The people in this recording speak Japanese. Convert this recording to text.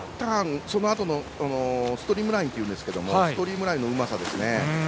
そのあとのストリームラインというんですがストリームラインのうまさですね。